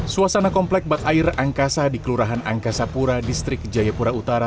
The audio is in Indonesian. suasana komplek bat air angkasa di kelurahan angkasa pura distrik jayapura utara